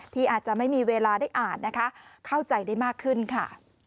ที่อาจจะไม่มีเวลาได้อ่านนะคะเข้าใจได้มากขึ้นค่ะ